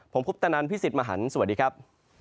ผมคุปตะนันพี่สิทธิ์มหันฯสวัสดีครับ